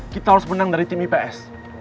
kita harus menang dari tim ips